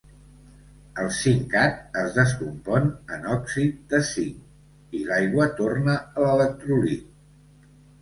El zincat es descompon en òxid de zinc i l'aigua torna a l'electròlit.